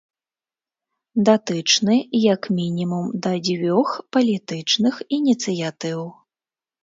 Датычны як мінімум да дзвюх палітычных ініцыятыў.